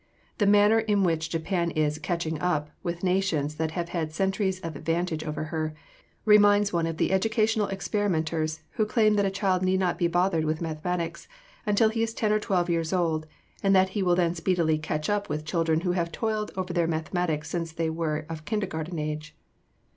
The manner in which Japan is "catching up" with nations that have had centuries of advantage over her reminds one of the educational experimenters who claim that a child need not be bothered with mathematics until he is ten or twelve years old, and that he will then speedily "catch up" with children who have toiled over their mathematics since they were of kindergarten age.